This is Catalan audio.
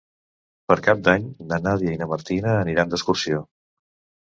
Per Cap d'Any na Nàdia i na Martina aniran d'excursió.